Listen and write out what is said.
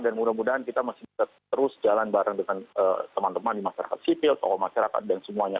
dan mudah mudahan kita masih bisa terus jalan bareng dengan teman teman di masyarakat sipil toko masyarakat dan semuanya